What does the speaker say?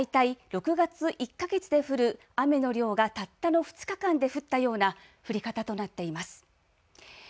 だいたい６月、１か月で降る雨の量がたったの２日間で降ったような降り方となっています。